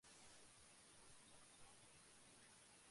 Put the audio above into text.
মহেন্দ্রের হৃদয় তখন করুণায় আর্দ্র ছিল।